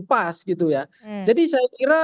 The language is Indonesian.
pas gitu ya jadi saya kira